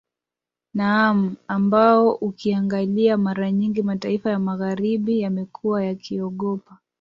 naam ambao ukiangalia mara nyingi mataifa ya magharibi yamekuwa yakiogopa